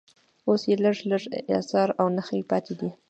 اوس یې لږ لږ اثار او نښې پاتې دي.